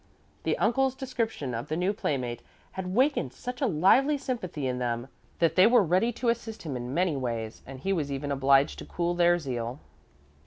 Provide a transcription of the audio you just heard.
The uncle's description of the new playmate had wakened such a lively sympathy in them that they were ready to assist him in many ways, and he was even obliged to cool their zeal.